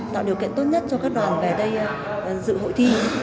tạo điều kiện tốt nhất cho các đoàn về đây dự hội thi